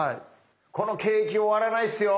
この景気終わらないっすよ。